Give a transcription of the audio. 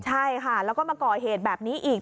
ใช่ค่ะแล้วก็มาก่อเหตุแบบนี้อีก